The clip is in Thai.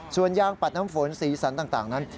ส่วนยางปัดน้ำฝนสีสันต่างนั้น